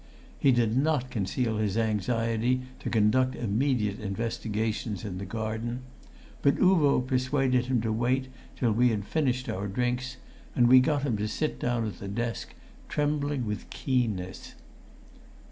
He did not conceal his anxiety to conduct immediate investigations in the garden. But Uvo persuaded him to wait till we had finished our drinks, and we got him to sit down at the desk, trembling with keenness.